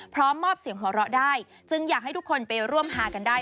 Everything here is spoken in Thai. พร้อมมอบเสียงหัวเราะได้จึงอยากให้ทุกคนไปร่วมฮากันได้